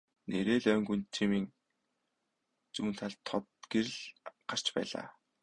Нээрээ л ойн гүнд жимийн зүүн талд тод гэрэл гарч байлаа.